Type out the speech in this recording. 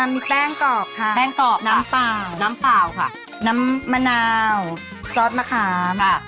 มีแป้งกรอบค่ะน้ำเปล่าน้ำมะนาวซอสมะขาบ